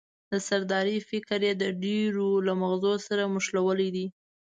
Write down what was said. د سردارۍ فکر یې د ډېرو له مغزو سره مښلولی دی.